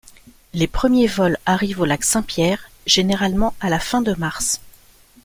Les premiers vols arrivent au lac St-Pierre généralement à la fin de mars.